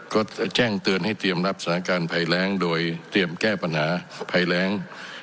ก็จะแจ้งเตือนให้เตรียมรับสถานการณ์ภัยแรงโดยเตรียมแก้ปัญหาภัยแรง